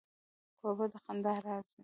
کوربه د خندا راز وي.